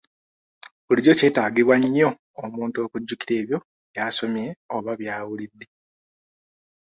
Bulijjo kyetaagibwa nnyo omuntu okujjukira ebyo by'asomye oba by'awulidde.